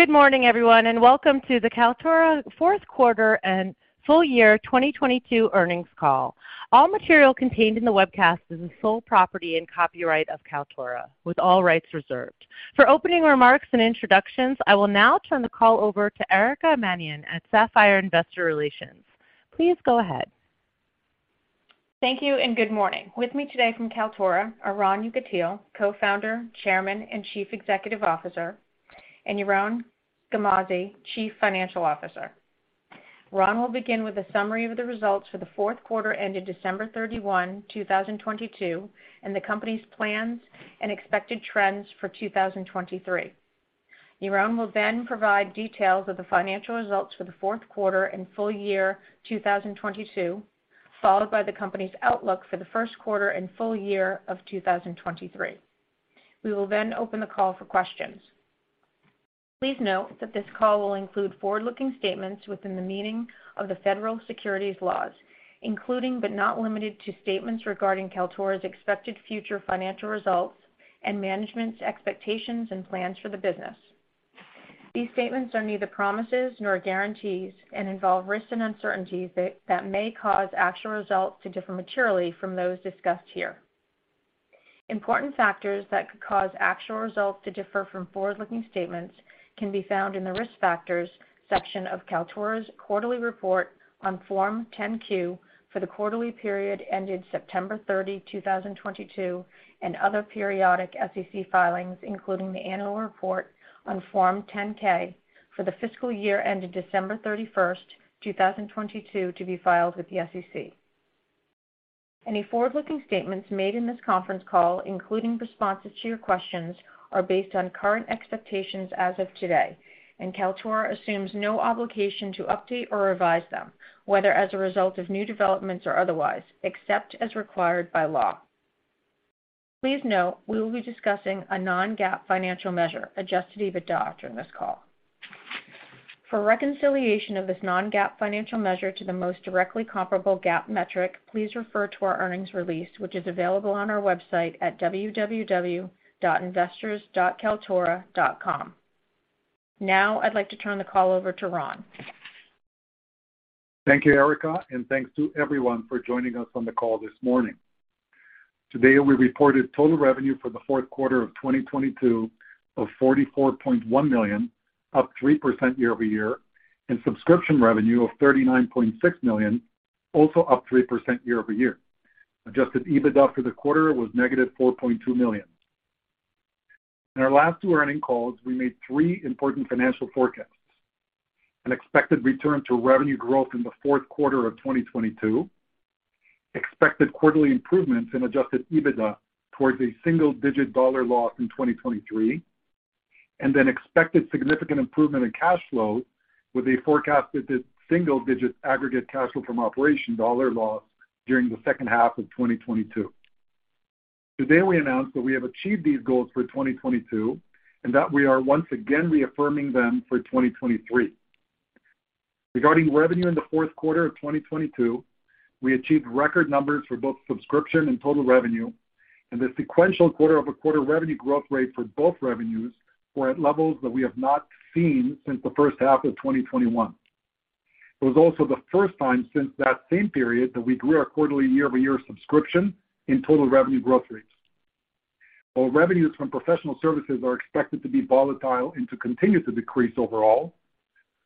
Good morning, everyone, Welcome to the Kaltura Fourth Quarter and Full Year 2022 Earnings Call. All material contained in the webcast is the sole property and copyright of Kaltura, with all rights reserved. For opening remarks and introductions, I will now turn the call over to Erica Mannion at Sapphire Investor Relations. Please go ahead. Thank you. Good morning. With me today from Kaltura are Ron Yekutiel, co-founder, chairman, and chief executive officer, and Yaron Garmazi, chief financial officer. Ron will begin with a summary of the results for the fourth quarter ended December 31, 2022, and the company's plans and expected trends for 2023. Yaron will provide details of the financial results for the fourth quarter and full year 2022, followed by the company's outlook for the first quarter and full year of 2023. We will open the call for questions. Please note that this call will include forward-looking statements within the meaning of the federal securities laws, including but not limited to statements regarding Kaltura's expected future financial results and management's expectations and plans for the business. These statements are neither promises nor guarantees and involve risks and uncertainties that may cause actual results to differ materially from those discussed here. Important factors that could cause actual results to differ from forward-looking statements can be found in the Risk Factors section of Kaltura's quarterly report on Form 10-Q for the quarterly period ended September 30, 2022, and other periodic SEC filings, including the annual report on Form 10-K for the fiscal year ended December 31st, 2022, to be filed with the SEC. Any forward-looking statements made in this conference call, including responses to your questions, are based on current expectations as of today, and Kaltura assumes no obligation to update or revise them, whether as a result of new developments or otherwise, except as required by law. Please note, we will be discussing a non-GAAP financial measure, adjusted EBITDA, during this call. For reconciliation of this non-GAAP financial measure to the most directly comparable GAAP metric, please refer to our earnings release, which is available on our website at www.investors.kaltura.com. Now I'd like to turn the call over to Ron. Thank you, Erica. Thanks to everyone for joining us on the call this morning. Today, we reported total revenue for the fourth quarter of 2022 of $44.1 million, up 3% year-over-year, and subscription revenue of $39.6 million, also up 3% year-over-year. Adjusted EBITDA for the quarter was -$4.2 million. In our last two earnings calls, we made three important financial forecasts: an expected return to revenue growth in the fourth quarter of 2022, expected quarterly improvements in Adjusted EBITDA towards a single-digit dollar loss in 2023, and an expected significant improvement in cash flow with a forecasted single-digit aggregate cash flow from operation dollar loss during the second half of 2022. Today, we announce that we have achieved these goals for 2022, and that we are once again reaffirming them for 2023. Regarding revenue in Q4 2022, we achieved record numbers for both subscription and total revenue, and the sequential quarter-over-quarter revenue growth rate for both revenues were at levels that we have not seen since H1 2021. It was also the first time since that same period that we grew our quarterly year-over-year subscription in total revenue growth rates. While revenues from professional services are expected to be volatile and to continue to decrease overall,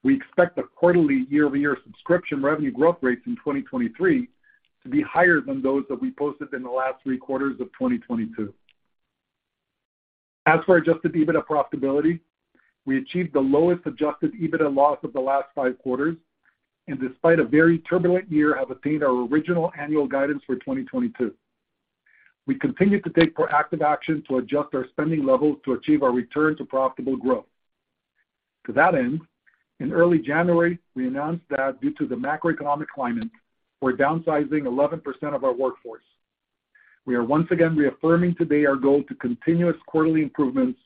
we expect the quarterly year-over-year subscription revenue growth rates in 2023 to be higher than those that we posted in the last three quarters of 2022. As for Adjusted EBITDA profitability, we achieved the lowest Adjusted EBITDA loss of the last five quarters, and despite a very turbulent year, have attained our original annual guidance for 2022. We continue to take proactive action to adjust our spending levels to achieve our return to profitable growth. To that end, in early January, we announced that due to the macroeconomic climate, we're downsizing 11% of our workforce. We are once again reaffirming today our goal to continuous quarterly improvements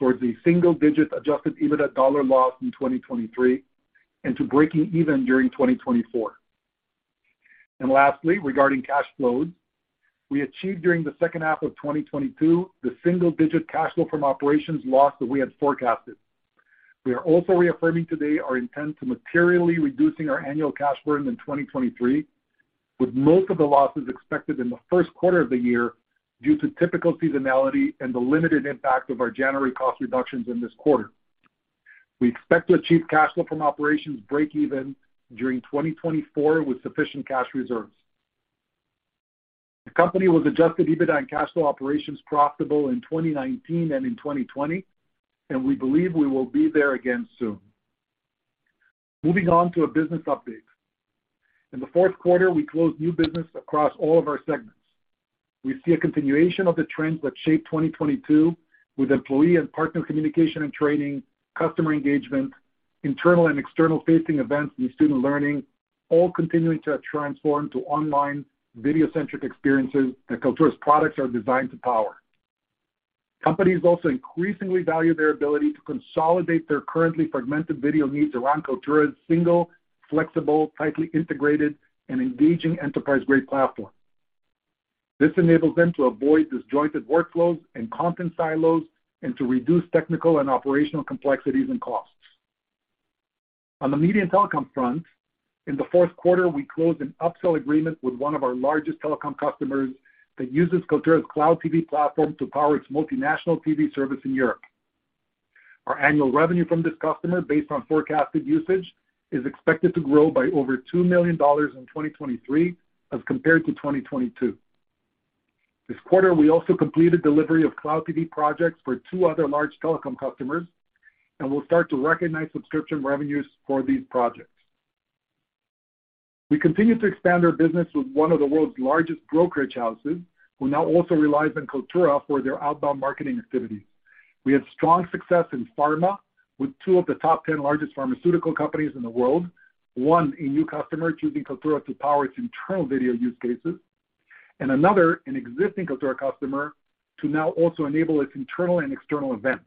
towards a single-digit Adjusted EBITDA dollar loss in 2023 and to breaking even during 2024. Lastly, regarding cash flows, we achieved during the second half of 2022 the single-digit cash flow from operations loss that we had forecasted. We are also reaffirming today our intent to materially reducing our annual cash burn in 2023, with most of the losses expected in the first quarter of the year due to typical seasonality and the limited impact of our January cost reductions in this quarter. We expect to achieve cash flow from operations break even during 2024 with sufficient cash reserves. The company was Adjusted EBITDA and cash flow operations profitable in 2019 and in 2020, and we believe we will be there again soon. Moving on to a business update. In the fourth quarter, we closed new business across all of our segments. We see a continuation of the trends that shaped 2022 with employee and partner communication and training, customer engagement, internal and external-facing events, and student learning all continuing to transform to online video-centric experiences that Kaltura's products are designed to power. Companies also increasingly value their ability to consolidate their currently fragmented video needs around Kaltura's single, flexible, tightly integrated, and engaging enterprise-grade platform. This enables them to avoid disjointed workflows and content silos, and to reduce technical and operational complexities and costs. On the media and telecom front, in the fourth quarter, we closed an upsell agreement with one of our largest telecom customers that uses Kaltura's Cloud TV platform to power its multinational TV service in Europe. Our annual revenue from this customer, based on forecasted usage, is expected to grow by over $2 million in 2023 as compared to 2022. This quarter, we also completed delivery of Cloud TV projects for two other large telecom customers. We'll start to recognize subscription revenues for these projects. We continue to expand our business with one of the world's largest brokerage houses, who now also relies on Kaltura for their outbound marketing activities. We had strong success in pharma, with two of the top 10 largest pharmaceutical companies in the world, one a new customer choosing Kaltura to power its internal video use cases, and another, an existing Kaltura customer, to now also enable its internal and external events.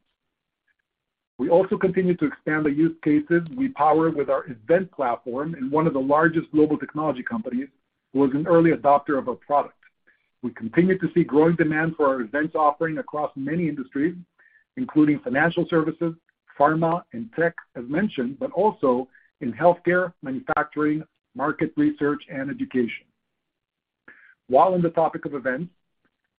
We also continue to expand the use cases we power with our Events Platform in one of the largest global technology companies, who was an early adopter of our product. We continue to see growing demand for our events offering across many industries, including financial services, pharma, and tech, as mentioned, but also in healthcare, manufacturing, market research, and education. While on the topic of events,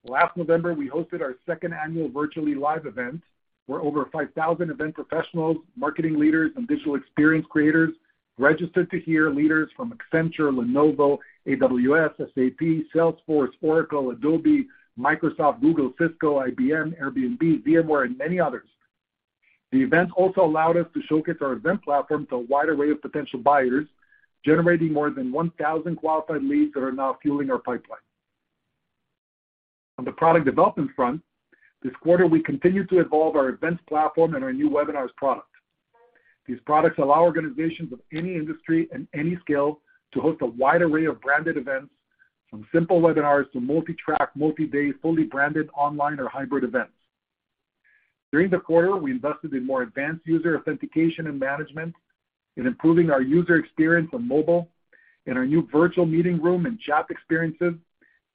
last November, we hosted our second annual Virtually Live event, where over 5,000 event professionals, marketing leaders, and digital experience creators registered to hear leaders from Accenture, Lenovo, AWS, SAP, Salesforce, Oracle, Adobe, Microsoft, Google, Cisco, IBM, Airbnb, VMware, and many others. The event also allowed us to showcase our Events Platform to a wide array of potential buyers, generating more than 1,000 qualified leads that are now fueling our pipeline. On the product development front, this quarter we continued to evolve our Events Platform and our new webinars product. These products allow organizations of any industry and any skill to host a wide array of branded events, from simple webinars to multi-track, multi-day, fully branded online or hybrid events. During the quarter, we invested in more advanced user authentication and management, in improving our user experience on mobile, in our new virtual meeting room and chat experiences,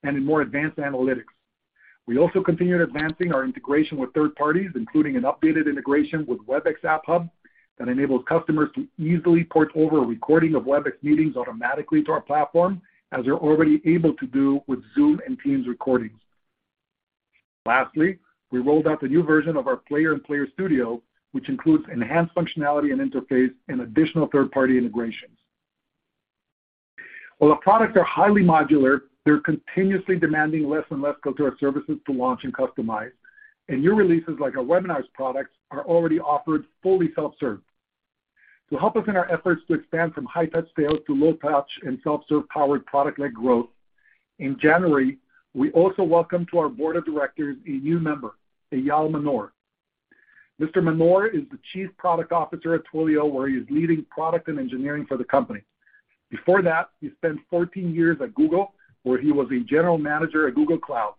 and in more advanced analytics. We also continued advancing our integration with third parties, including an updated integration with Webex App Hub that enables customers to easily port over a recording of Webex meetings automatically to our platform, as they're already able to do with Zoom and Teams recordings. Lastly, we rolled out the new version of our Player and Player Studio, which includes enhanced functionality and interface and additional third-party integrations. While our products are highly modular, they're continuously demanding less and less Kaltura services to launch and customize, and new releases like our webinars products are alr1eady offered fully self-serve. To help us in our efforts to expand from high-touch sales to low-touch and self-serve powered product-led growth, in January, we also welcomed to our board of directors a new member, Eyal Manor. Mr. Manor is the Chief Product Officer at Twilio, where he is leading product and engineering for the company. Before that, he spent 14 years at Google, where he was a General Manager at Google Cloud.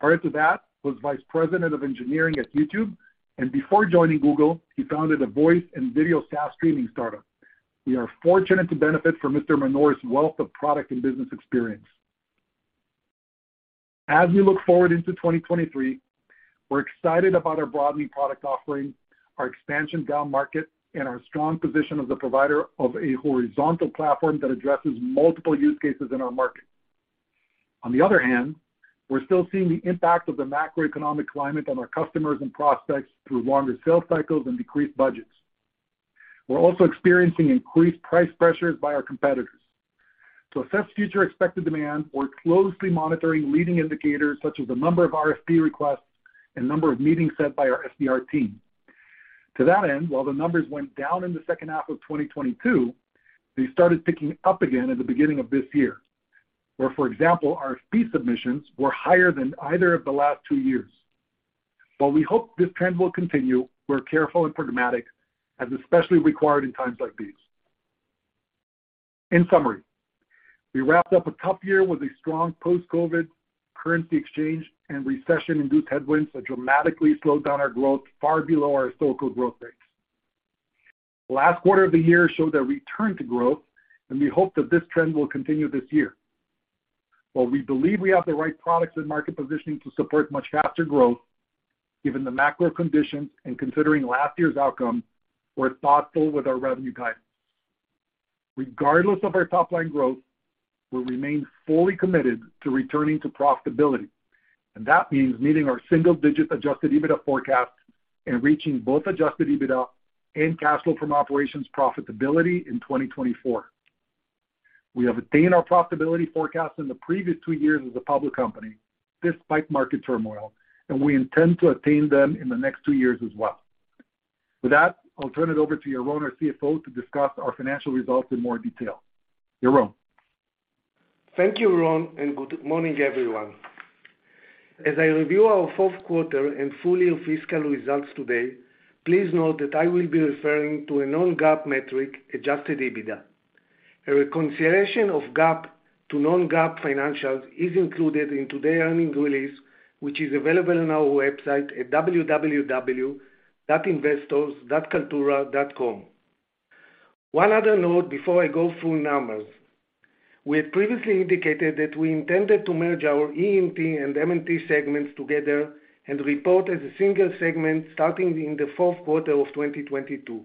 Prior to that, was Vice President of Engineering at YouTube, and before joining Google, he founded a voice and video SaaS streaming startup. We are fortunate to benefit from Mr. Manor's wealth of product and business experience. As we look forward into 2023, we're excited about our broadening product offering, our expansion downmarket, and our strong position as a provider of a horizontal platform that addresses multiple use cases in our market. On the other hand, we're still seeing the impact of the macroeconomic climate on our customers and prospects through longer sales cycles and decreased budgets. We're also experiencing increased price pressures by our competitors. To assess future expected demand, we're closely monitoring leading indicators such as the number of RFP requests and number of meetings set by our SDR team. To that end, while the numbers went down in the second half of 2022, they started picking up again at the beginning of this year, where, for example, RFP submissions were higher than either of the last two years. While we hope this trend will continue, we're careful and pragmatic, as especially required in times like these. In summary, we wrapped up a tough year with a strong post-COVID currency exchange and recession-induced headwinds that dramatically slowed down our growth far below our historical growth rates. The last quarter of the year showed a return to growth, we hope that this trend will continue this year. While we believe we have the right products and market positioning to support much faster growth, given the macro conditions and considering last year's outcome, we're thoughtful with our revenue guidance. Regardless of our top line growth, we remain fully committed to returning to profitability, that means meeting our single-digit Adjusted EBITDA forecast and reaching both Adjusted EBITDA and cash flow from operations profitability in 2024. We have attained our profitability forecast in the previous two years as a public company, despite market turmoil, we intend to attain them in the next two years as well. With that, I'll turn it over to Yaron, our CFO, to discuss our financial results in more detail. Yaron? Thank you, Ron. Good morning, everyone. As I review our fourth quarter and full year fiscal results today, please note that I will be referring to a non-GAAP metric, Adjusted EBITDA. A reconciliation of GAAP to non-GAAP financials is included in today's earnings release, which is available on our website at www.investors.kaltura.com. One other note before I go through numbers. We had previously indicated that we intended to merge our EE&T and M&T segments together and report as a single segment starting in the fourth quarter of 2022.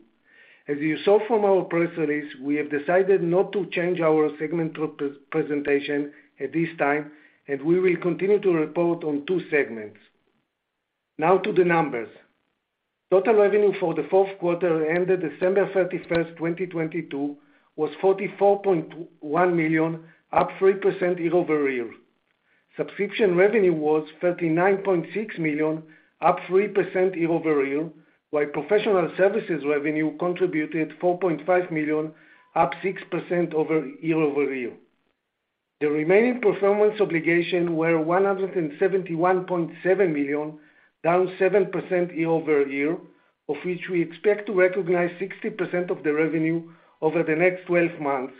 As you saw from our press release, we have decided not to change our segment presentation at this time. We will continue to report on two segments. Now to the numbers. Total revenue for the fourth quarter ended December 31st, 2022 was $44.1 million, up 3% year-over-year. Subscription revenue was $39.6 million, up 3% year-over-year, while professional services revenue contributed $4.5 million, up 6% over year-over-year. The remaining performance obligation were $171.7 million, down 7% year-over-year, of which we expect to recognize 60% of the revenue over the next 12 months.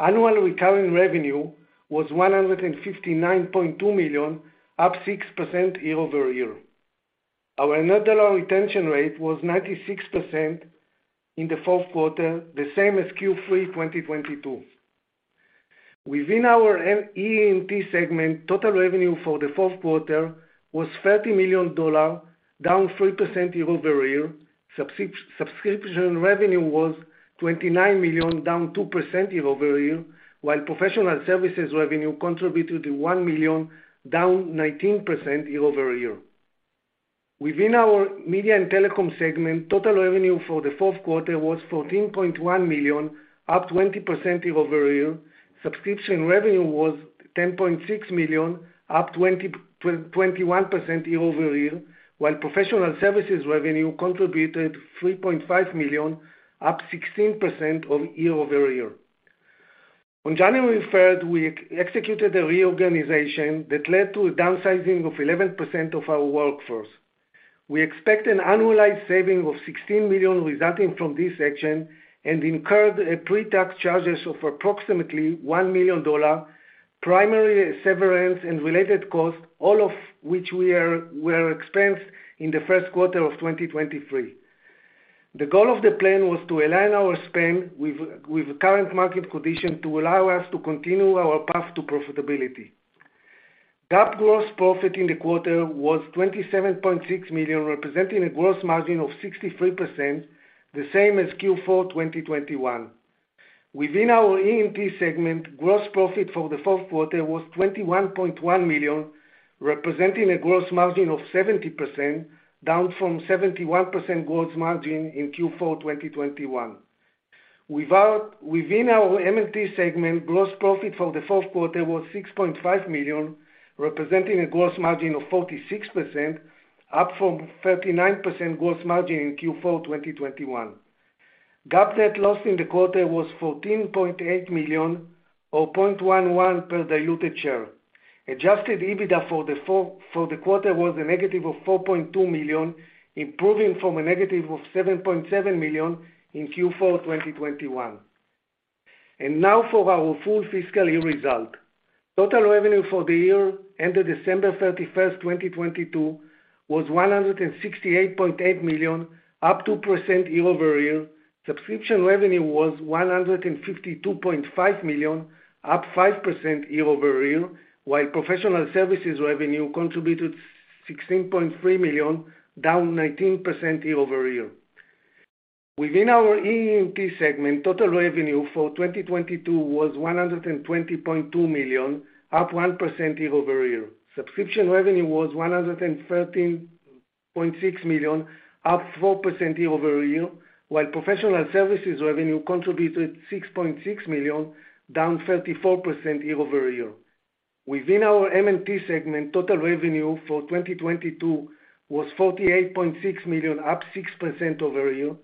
Annual recurring revenue was $159.2 million, up 6% year-over-year. Our net dollar retention rate was 96% in the fourth quarter, the same as Q3 2022. Within our EE&T segment, total revenue for the fourth quarter was $30 million, down 3% year-over-year. Subscription revenue was $29 million, down 2% year-over-year, while professional services revenue contributed $1 million, down 19% year-over-year. Within our Media and Telecom segment, total revenue for the fourth quarter was $14.1 million, up 20% year-over-year. Subscription revenue was $10.6 million, up 21% year-over-year, while professional services revenue contributed $3.5 million, up 16% year-over-year. On January 3rd, we executed a reorganization that led to a downsizing of 11% of our workforce. We expect an annualized saving of $16 million resulting from this action and incurred a pre-tax charges of approximately $1 million, primary severance and related costs, all of which were expensed in the first quarter of 2023. The goal of the plan was to align our spend with the current market condition to allow us to continue our path to profitability. GAAP gross profit in the quarter was $27.6 million, representing a gross margin of 63%, the same as Q4 2021. Within our EE&T segment, gross profit for the fourth quarter was $21.1 million, representing a gross margin of 70%, down from 71% gross margin in Q4 2021. Within our M&T segment, gross profit for the fourth quarter was $6.5 million, representing a gross margin of 46%, up from 39% gross margin in Q4 2021. GAAP net loss in the quarter was $14.8 million, or $0.11 per diluted share. Adjusted EBITDA for the quarter was a -$4.2 million, improving from a -$7.7 million in Q4 2021. Now for our full fiscal year result. Total revenue for the year ended December 31st, 2022 was $168.8 million, up 2% year-over-year. Subscription revenue was $152.5 million, up 5% year-over-year, while professional services revenue contributed $16.3 million, down 19% year-over-year. Within our EE&T segment, total revenue for 2022 was $120.2 million, up 1% year-over-year. Subscription revenue was $113.6 million, up 4% year-over-year, while professional services revenue contributed $6.6 million, down 34% year-over-year. Within our M&T segment, total revenue for 2022 was $48.6 million, up 6% over year.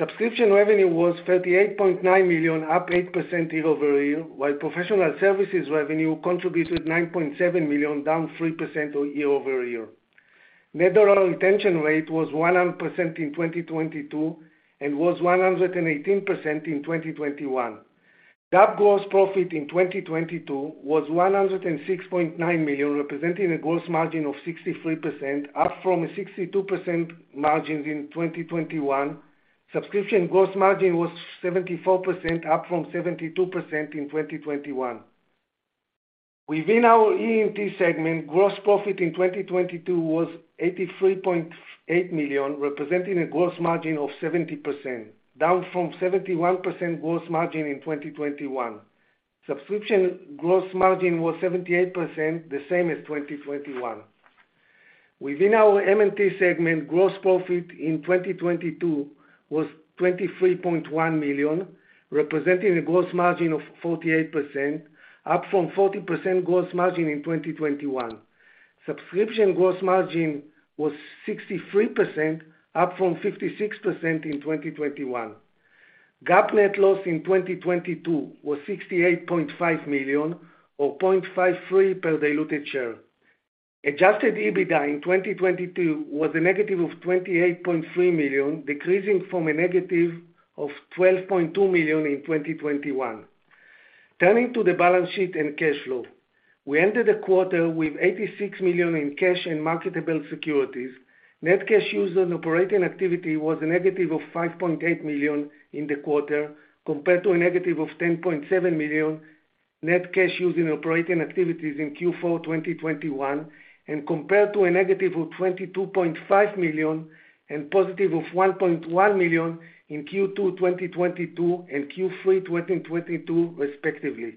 Subscription revenue was $38.9 million, up 8% year-over-year, while professional services revenue contributed $9.7 million, down 3% year-over-year. Net dollar retention rate was 100% in 2022 and was 118% in 2021. GAAP gross profit in 2022 was $106.9 million, representing a gross margin of 63%, up from a 62% margin in 2021. Subscription gross margin was 74%, up from 72% in 2021. Within our EE&T segment, gross profit in 2022 was $83.8 million, representing a gross margin of 70%, down from 71% gross margin in 2021. Subscription gross margin was 78%, the same as 2021. Within our M&T segment, gross profit in 2022 was $23.1 million, representing a gross margin of 48%, up from 40% gross margin in 2021. Subscription gross margin was 63%, up from 56% in 2021. GAAP net loss in 2022 was $68.5 million or $0.53 per diluted share. Adjusted EBITDA in 2022 was a -$28.3 million, decreasing from a -$12.2 million in 2021. Turning to the balance sheet and cash flow. We ended the quarter with $86 million in cash and marketable securities. Net cash used in operating activity was a -$5.8 million in the quarter compared to a -$10.7 million net cash using operating activities in Q4 2021, and compared to a -$22.5 million and +$1.1 million in Q2 2022 and Q3 2022 respectively.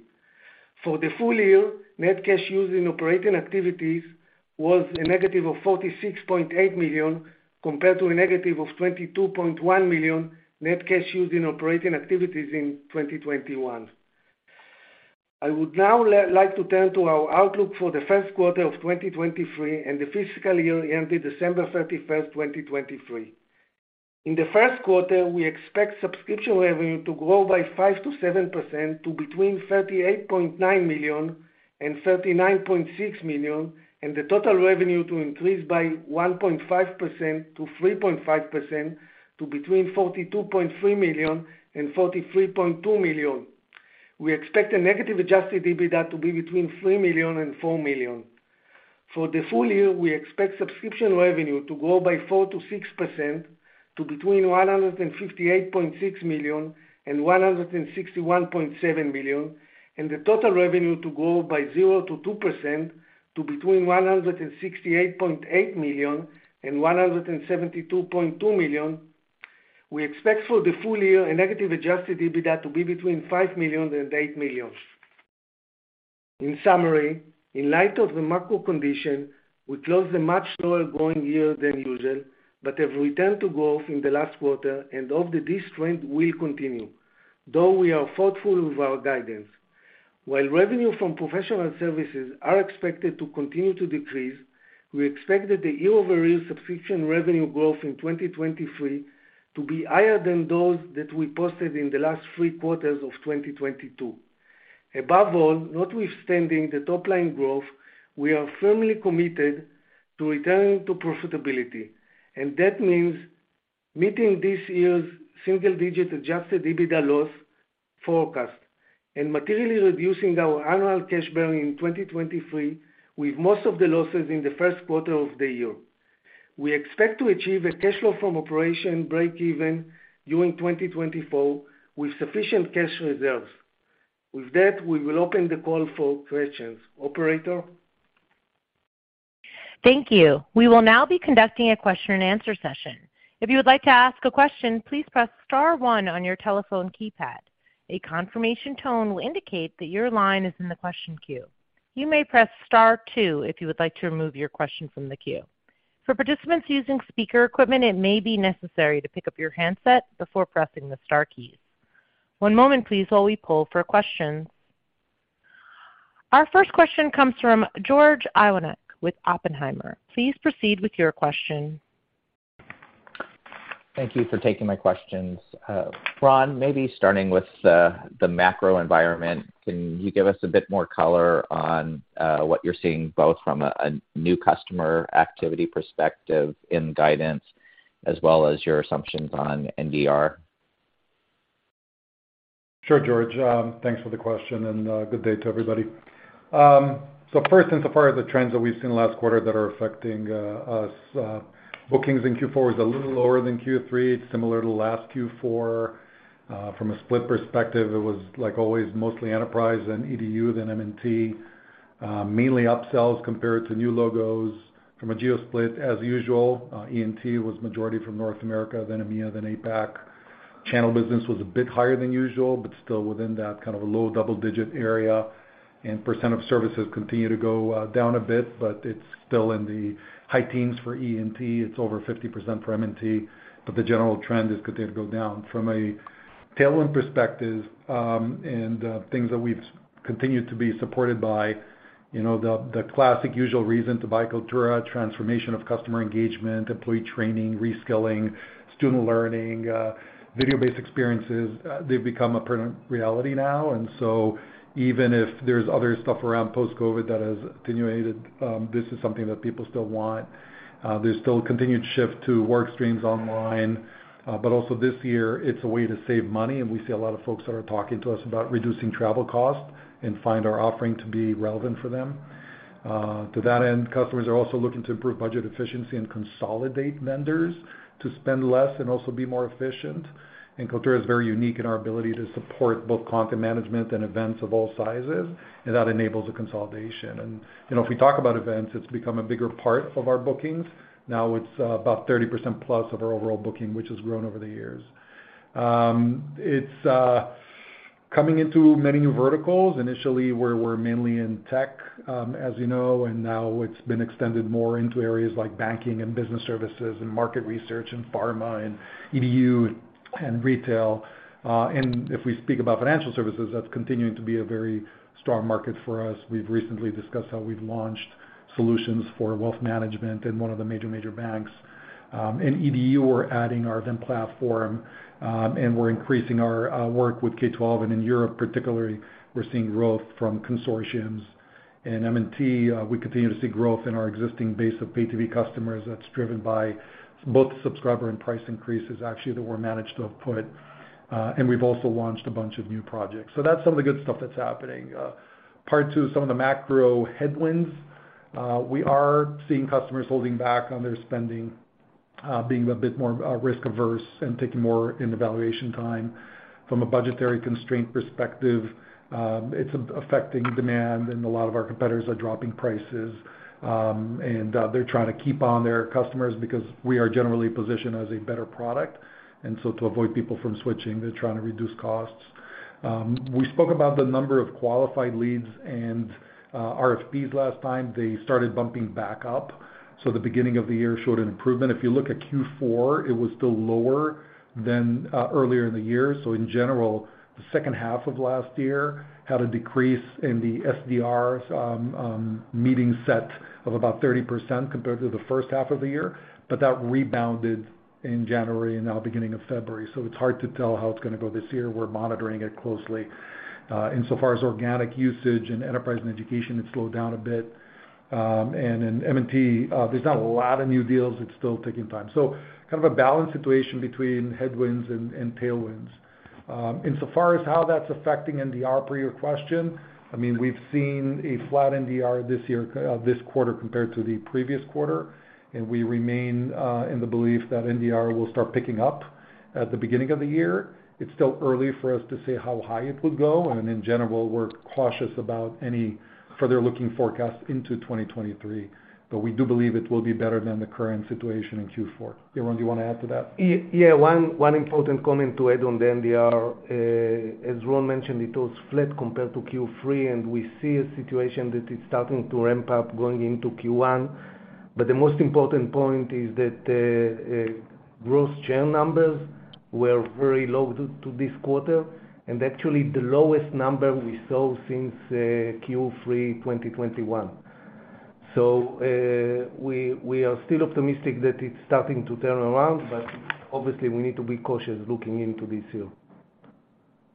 For the full year, net cash using operating activities was a -$46.8 million compared to a -$22.1 million net cash using operating activities in 2021. I would now like to turn to our outlook for the first quarter of 2023 and the fiscal year ending December 31st, 2023. In the first quarter, we expect subscription revenue to grow by 5%-7% to between $38.9 million and $39.6 million, and the total revenue to increase by 1.5%-3.5% to between $42.3 million and $43.2 million. We expect a negative Adjusted EBITDA to be between $3 million and $4 million. For the full year, we expect subscription revenue to grow by 4%-6% to between $158.6 million and $161.7 million. The total revenue to grow by 0%-2% to between $168.8 million and $172.2 million. We expect for the full year a negative Adjusted EBITDA to be between $5 million and $8 million. In summary, in light of the macro condition, we closed a much slower growing year than usual, but have returned to growth in the last quarter and hope that this trend will continue, though we are thoughtful of our guidance. While revenue from professional services are expected to continue to decrease, we expect that the year-over-year subscription revenue growth in 2023 to be higher than those that we posted in the last three quarters of 2022. Above all, notwithstanding the top line growth, we are firmly committed to returning to profitability, and that means meeting this year's single-digit Adjusted EBITDA loss forecast and materially reducing our annual cash burn in 2023, with most of the losses in the first quarter of the year. We expect to achieve a cash flow from operation break-even during 2024 with sufficient cash reserves. With that, we will open the call for questions. Operator? Thank you. We will now be conducting a question and answer session. If you would like to ask a question, please press star one on your telephone keypad. A confirmation tone will indicate that your line is in the question queue. You may press star two if you would like to remove your question from the queue. For participants using speaker equipment, it may be necessary to pick up your handset before pressing the star keys. One moment please while we pull for questions. Our first question comes from George Iwanyc with Oppenheimer. Please proceed with your question. Thank you for taking my questions. Ron, maybe starting with the macro environment, can you give us a bit more color on what you're seeing both from a new customer activity perspective in guidance as well as your assumptions on NDR? Sure, George. Thanks for the question and good day to everybody. First and so far as the trends that we've seen last quarter that are affecting us, bookings in Q4 was a little lower than Q3. It's similar to last Q4. From a split perspective, it was like always, mostly Enterprise and EDU then M&T, mainly upsells compared to new logos. From a geo-split as usual, ENT was majority from North America, then EMEA, then APAC. Channel business was a bit higher than usual, but still within that kind of a low double-digit area. Percent of services continue to go down a bit, but it's still in the high teens for ENT. It's over 50% for M&T, but the general trend is continued to go down. From a tailwind perspective, and things that we've continued to be supported by, you know, the classic usual reason to buy Kaltura, transformation of customer engagement, employee training, reskilling, student learning, video-based experiences. They've become a permanent reality now. Even if there's other stuff around post-COVID that has attenuated, this is something that people still want. There's still a continued shift to work streams online, but also this year it's a way to save money and we see a lot of folks that are talking to us about reducing travel costs and find our offering to be relevant for them. To that end, customers are also looking to improve budget efficiency and consolidate vendors to spend less and also be more efficient. Kaltura is very unique in our ability to support both content management and events of all sizes, and that enables a consolidation. You know, if we talk about events, it's become a bigger part of our bookings. Now it's about 30%+ of our overall booking, which has grown over the years. It's coming into many new verticals. Initially, we're mainly in tech, as you know, and now it's been extended more into areas like banking and business services and market research and pharma and EDU and retail. If we speak about financial services, that's continuing to be a very strong market for us. We've recently discussed how we've launched solutions for wealth management in one of the major banks. In EDU, we're adding our video platform, and we're increasing our work with K-12. In Europe particularly, we're seeing growth from consortiums. In M&T, we continue to see growth in our existing base of pay TV customers that's driven by both subscriber and price increases actually that were managed to have put, and we've also launched a bunch of new projects. That's some of the good stuff that's happening. Part two, some of the macro headwinds. We are seeing customers holding back on their spending, being a bit more risk averse and taking more in evaluation time. From a budgetary constraint perspective, it's affecting demand. A lot of our competitors are dropping prices, and they're trying to keep on their customers because we are generally positioned as a better product. To avoid people from switching, they're trying to reduce costs. We spoke about the number of qualified leads and RFPs last time. They started bumping back up. The beginning of the year showed an improvement. If you look at Q4, it was still lower than earlier in the year. In general, the second half of last year had a decrease in the SDRs meeting set of about 30% compared to the first half of the year. That rebounded in January and now beginning of February. It's hard to tell how it's gonna go this year. We're monitoring it closely. Insofar as organic usage and enterprise and education, it slowed down a bit. In M&T, there's not a lot of new deals. It's still taking time. Kind of a balanced situation between headwinds and tailwinds. Insofar as how that's affecting NDR per your question, I mean, we've seen a flat NDR this year, this quarter compared to the previous quarter. We remain in the belief that NDR will start picking up at the beginning of the year. It's still early for us to say how high it would go. In general, we're cautious about any further looking forecasts into 2023. We do believe it will be better than the current situation in Q4. Yaron, do you wanna add to that? Yeah. One important comment to add on the NDR. As Ron mentioned, it was flat compared to Q3. We see a situation that is starting to ramp up going into Q1. The most important point is that gross churn numbers were very low to this quarter, and actually the lowest number we saw since Q3 2021. We are still optimistic that it's starting to turn around, but obviously we need to be cautious looking into this year.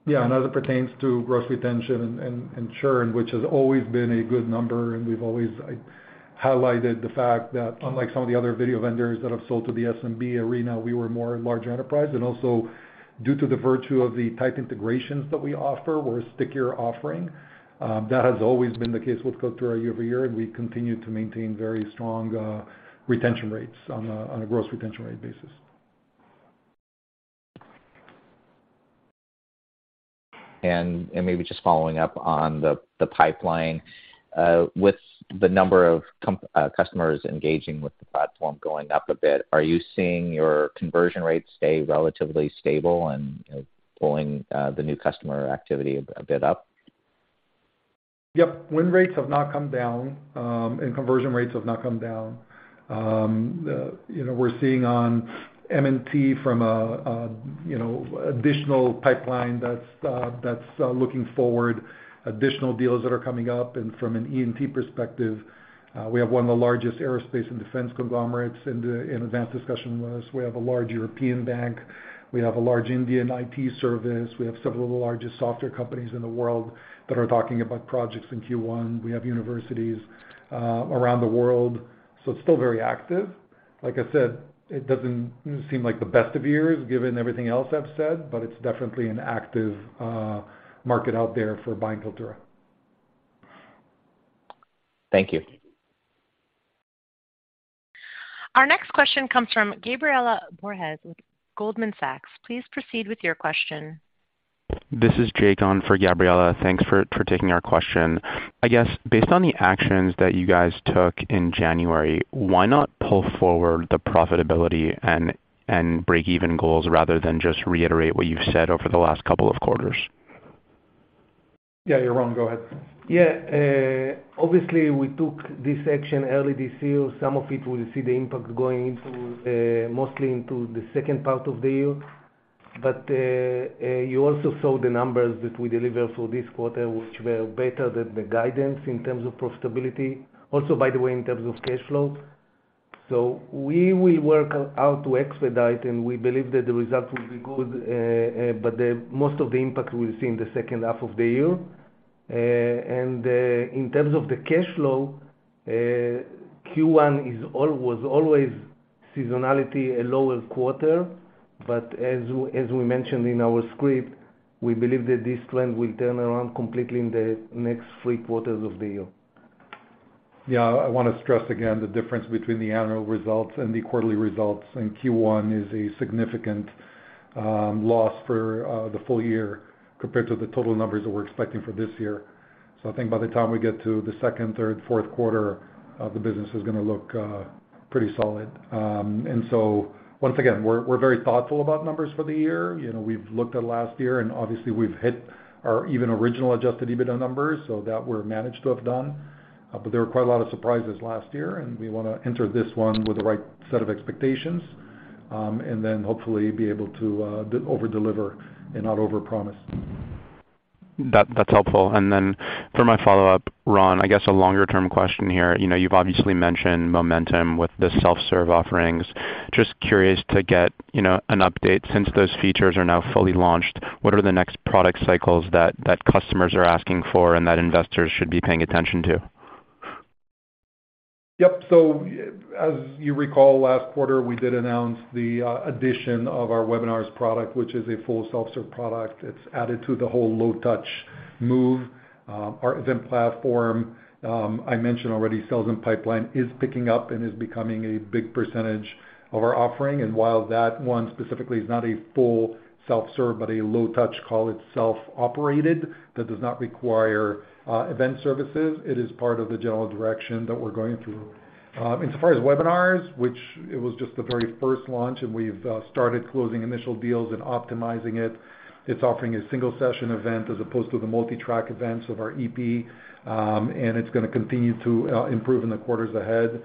Yeah. As it pertains to gross retention and churn, which has always been a good number, and we've always highlighted the fact that unlike some of the other video vendors that have sold to the SMB arena, we were more large enterprise. Also due to the virtue of the tight integrations that we offer, we're a stickier offering, that has always been the case with Kaltura year-over-year, and we continue to maintain very strong retention rates on a gross retention rate basis. Maybe just following up on the pipeline. With the number of customers engaging with the platform going up a bit, are you seeing your conversion rate stay relatively stable and, you know, pulling the new customer activity a bit up? Yep. Win rates have not come down. Conversion rates have not come down. You know, we're seeing on M&T from a, you know, additional pipeline that's looking forward, additional deals that are coming up. From an ENT perspective, we have one of the largest aerospace and defense conglomerates in advanced discussion with us. We have a large European bank. We have a large Indian IT service. We have several of the largest software companies in the world that are talking about projects in Q1. We have universities around the world. It's still very active. Like I said, it doesn't seem like the best of years given everything else I've said. It's definitely an active market out there for buying Kaltura. Thank you. Our next question comes from Gabriela Borges with Goldman Sachs. Please proceed with your question. This is Jake on for Gabriela. Thanks for taking our question. I guess based on the actions that you guys took in January, why not pull forward the profitability and break-even goals rather than just reiterate what you've said over the last couple of quarters? Yeah, Yaron, go ahead. Yeah. Obviously we took this action early this year. Some of it we'll see the impact going into, mostly into the second part of the year. You also saw the numbers that we delivered for this quarter, which were better than the guidance in terms of profitability. Also, by the way, in terms of cash flow. We will work out to expedite, and we believe that the results will be good, the most of the impact we'll see in the second half of the year. In terms of the cash flow, Q1 was always seasonality a lower quarter. As we mentioned in our script, we believe that this trend will turn around completely in the next three quarters of the year. I wanna stress again the difference between the annual results and the quarterly results. Q1 is a significant loss for the full year compared to the total numbers that we're expecting for this year. I think by the time we get to the second, third, fourth quarter, the business is gonna look pretty solid. Once again, we're very thoughtful about numbers for the year. You know, we've looked at last year. Obviously we've hit our even original Adjusted EBITDA numbers, so that we're managed to have done. There were quite a lot of surprises last year. We wanna enter this one with the right set of expectations. Then hopefully be able to overdeliver and not overpromise. That's helpful. Then for my follow-up, Ron, I guess a longer term question here. You know, you've obviously mentioned momentum with the self-serve offerings. Just curious to get, you know, an update. Since those features are now fully launched, what are the next product cycles that customers are asking for and that investors should be paying attention to? Yep. As you recall, last quarter, we did announce the addition of our webinars product, which is a full self-serve product. It's added to the whole low touch move, our Events Platform, I mentioned already sales and pipeline is picking up and is becoming a big percentage of our offering. While that one specifically is not a full self-serve, but a low touch call itself operated that does not require event services, it is part of the general direction that we're going through. As far as webinars, which it was just the very first launch, and we've started closing initial deals and optimizing it. It's offering a single session event as opposed to the multi-track events of our EP, and it's gonna continue to improve in the quarters ahead.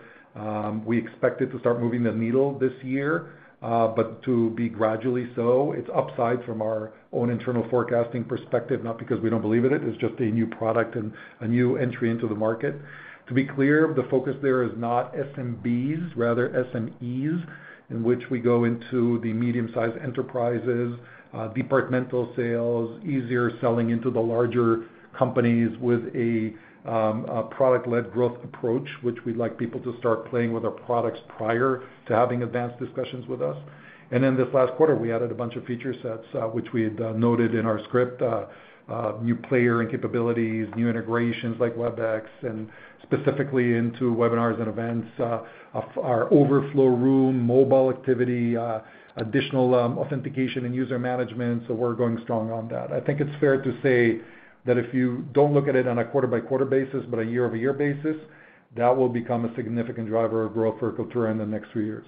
We expect it to start moving the needle this year, but to be gradually, so it's upside from our own internal forecasting perspective, not because we don't believe in it. It's just a new product and a new entry into the market. To be clear, the focus there is not SMBs, rather SMEs in which we go into the medium-sized enterprises, departmental sales, easier selling into the larger companies with a product-led growth approach, which we'd like people to start playing with our products prior to having advanced discussions with us. This last quarter, we added a bunch of feature sets, which we had noted in our script, new player and capabilities, new integrations like Webex and specifically into webinars and events, of our overflow room, mobile activity, additional authentication and user management. We're going strong on that. I think it's fair to say that if you don't look at it on a quarter-by-quarter basis, but a year-over-year basis, that will become a significant driver of growth for Kaltura in the next three years.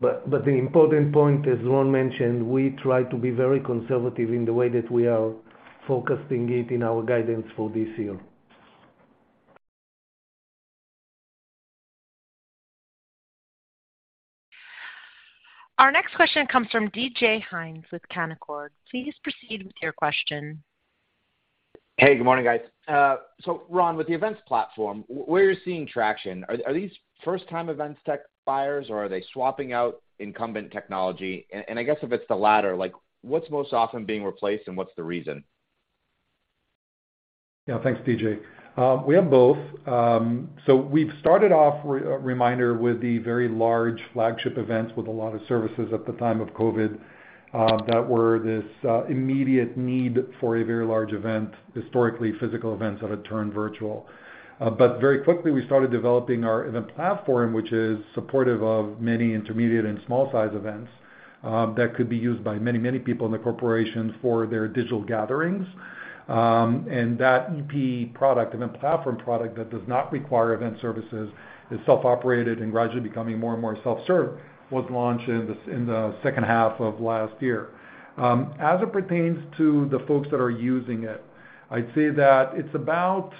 The important point, as Ron mentioned, we try to be very conservative in the way that we are focusing it in our guidance for this year. Our next question comes from DJ Hynes with Canaccord. Please proceed with your question. Hey, good morning, guys. Ron, with the Events Platform, where are you seeing traction? Are these first time events tech buyers, or are they swapping out incumbent technology? And I guess if it's the latter, like what's most often being replaced and what's the reason? Yeah, thanks, DJ. We have both. We've started off re-reminder with the very large flagship events with a lot of services at the time of COVID that were this immediate need for a very large event, historically physical events that had turned virtual. Very quickly we started developing our Events Platform, which is supportive of many intermediate and small size events that could be used by many, many people in the corporation for their digital gatherings. That EP product, Events Platform product that does not require event services, is self-operated and gradually becoming more and more self-serve, was launched in the second half of last year. As it pertains to the folks that are using it, I'd say that it's about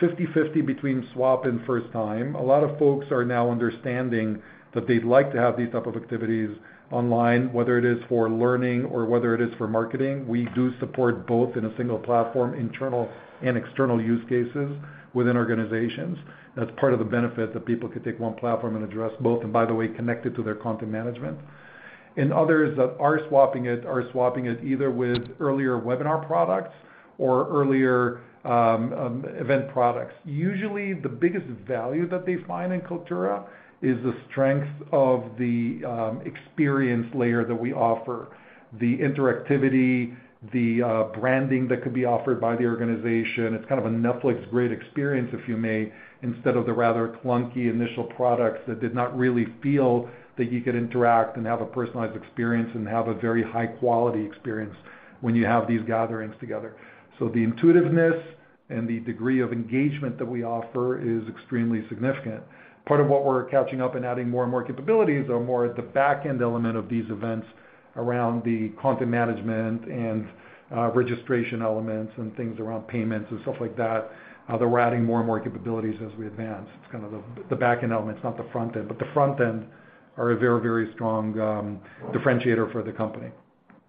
50/50 between swap and first time. A lot of folks are now understanding that they'd like to have these type of activities online, whether it is for learning or whether it is for marketing. We do support both in a single platform, internal and external use cases within organizations. That's part of the benefit that people could take one platform and address both, by the way, connect it to their content management. Others that are swapping it, are swapping it either with earlier webinar products or earlier event products. Usually, the biggest value that they find in Kaltura is the strength of the experience layer that we offer, the interactivity, the branding that could be offered by the organization. It's kind of a Netflix grade experience, if you may, instead of the rather clunky initial products that did not really feel that you could interact and have a personalized experience and have a very high quality experience when you have these gatherings together. The intuitiveness and the degree of engagement that we offer is extremely significant. Part of what we're catching up and adding more and more capabilities are more at the back-end element of these events around the content management and registration elements and things around payments and stuff like that we're adding more and more capabilities as we advance. It's kind of the back-end elements, not the front end. The front end are a very, very strong differentiator for the company.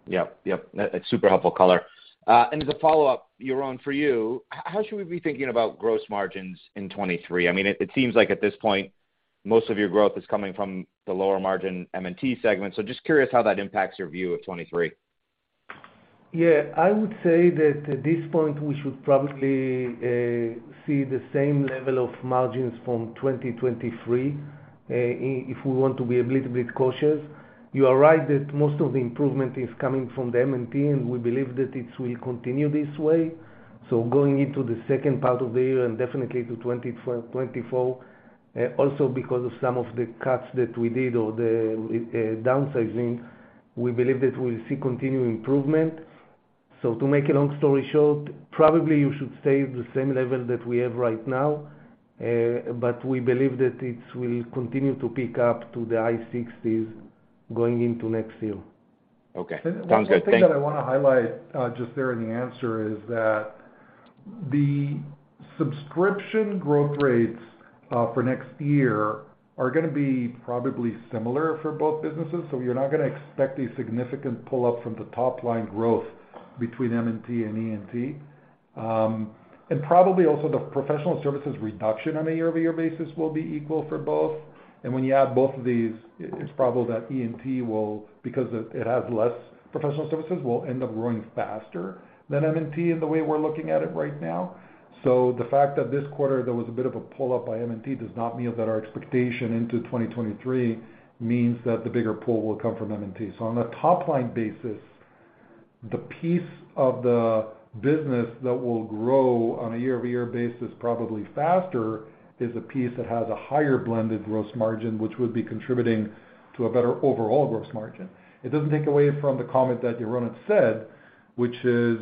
Yep. Yep. That's super helpful color. As a follow-up, Yaron for you, how should we be thinking about gross margins in 23? I mean, it seems like at this point, most of your growth is coming from the lower margin M&T segment. Just curious how that impacts your view of 23. Yeah. I would say that at this point, we should probably see the same level of margins from 2023, if we want to be a little bit cautious. You are right that most of the improvement is coming from the M&T, and we believe that it will continue this way. Going into the second part of the year and definitely to 2024, also because of some of the cuts that we did or the downsizing, we believe that we'll see continued improvement. To make a long story short, probably you should stay at the same level that we have right now, but we believe that it will continue to pick up to the high sixties going into next year. Okay. Sounds good. One more thing that I want to highlight, just there in the answer is that the subscription growth rates for next year are going to be probably similar for both businesses. You're not going to expect a significant pull up from the top line growth between M&T and E&T. Probably also the professional services reduction on a year-over-year basis will be equal for both. When you add both of these, it's probable that EE&T will because it has less professional services, will end up growing faster than M&T in the way we're looking at it right now. The fact that this quarter there was a bit of a pull-up by M&T does not mean that our expectation into 2023 means that the bigger pull will come from M&T. On a top-line basis, the piece of the business that will grow on a year-over-year basis probably faster is the piece that has a higher blended gross margin, which would be contributing to a better overall gross margin. It doesn't take away from the comment that Yaron had said, which is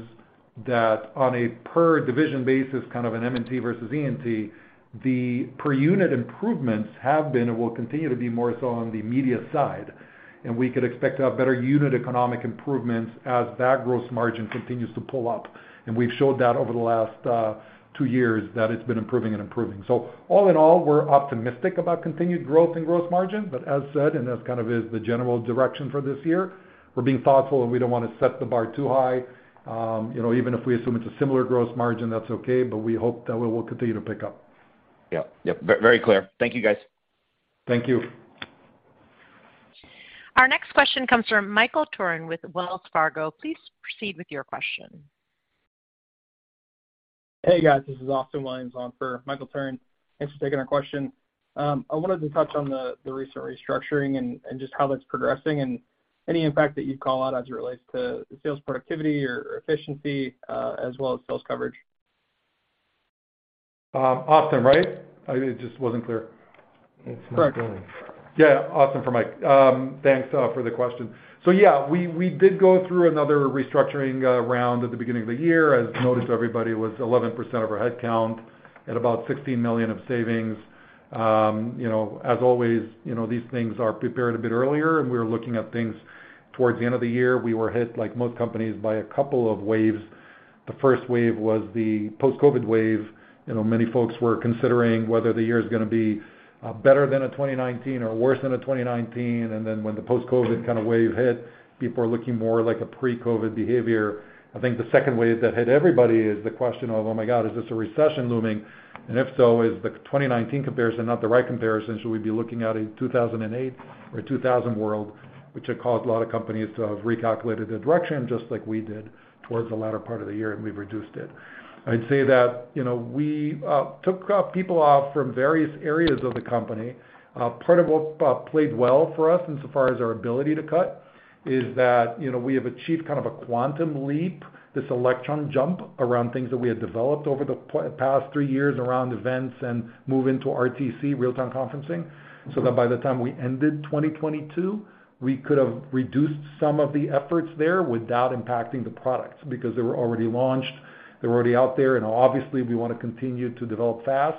that on a per division basis, kind of an M&T versus ENT, the per unit improvements have been and will continue to be more so on the media side. We could expect to have better unit economic improvements as that gross margin continues to pull up. We've showed that over the last two years that it's been improving and improving. All in all, we're optimistic about continued growth in gross margin. As said, and that's kind of is the general direction for this year, we're being thoughtful, and we don't wanna set the bar too high. You know, even if we assume it's a similar gross margin, that's okay, but we hope that we will continue to pick up. Yep. Yep. Very clear. Thank you, guys. Thank you. Our next question comes from Michael Turrin with Wells Fargo. Please proceed with your question. Hey, guys. This is Austin Williams on for Michael Turrin. Thanks for taking our question. I wanted to touch on the recent restructuring and just how that's progressing and any impact that you'd call out as it relates to sales productivity or efficiency, as well as sales coverage. Austin, right? It just wasn't clear. Correct. Yeah, Austin for Mike. Thanks for the question. Yeah, we did go through another restructuring round at the beginning of the year. As noted, everybody was 11% of our headcount at about $16 million of savings. You know, as always, you know, these things are prepared a bit earlier, we're looking at things towards the end of the year. We were hit, like most companies, by a couple of waves. The first wave was the post-COVID wave. You know, many folks were considering whether the year is gonna be better than a 2019 or worse than a 2019. When the post-COVID kind of wave hit, people are looking more like a pre-COVID behavior. I think the second wave that hit everybody is the question of, oh my god, is this a recession looming? If so, is the 2019 comparison not the right comparison? Should we be looking at a 2008 or 2000 world, which had caused a lot of companies to have recalculated the direction just like we did towards the latter part of the year, and we've reduced it. I'd say that, you know, we took people off from various areas of the company. Part of what played well for us in so far as our ability to cut is that, you know, we have achieved kind of a quantum leap, this electron jump around things that we had developed over the past three years around events and move into RTC, real-time conferencing. That by the time we ended 2022, we could have reduced some of the efforts there without impacting the products because they were already launched. They're already out there, and obviously, we wanna continue to develop fast.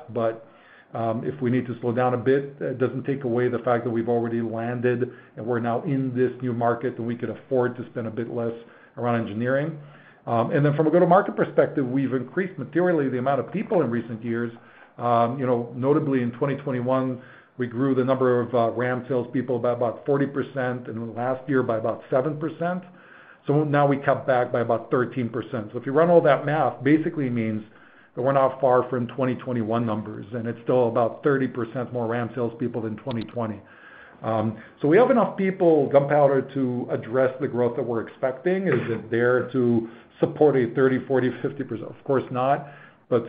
If we need to slow down a bit, it doesn't take away the fact that we've already landed, and we're now in this new market, and we could afford to spend a bit less around engineering. Then from a go-to-market perspective, we've increased materially the amount of people in recent years. You know, notably in 2021, we grew the number of RAM salespeople by about 40%, and in the last year by about 7%. Now we cut back by about 13%. If you run all that math, basically means that we're not far from 2021 numbers, and it's still about 30% more RAM salespeople than 2020. We have enough people, gunpowder, to address the growth that we're expecting. Is it there to support a 30%, 40%, 50%? Of course not.